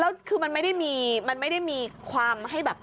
แล้วคือมันไม่ได้มีความให้แบบ